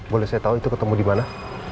boleh saya tau itu ketemu dimana